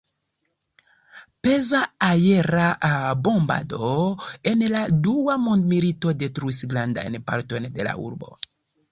Peza aera bombado en la dua mondmilito detruis grandajn partojn de la urbo.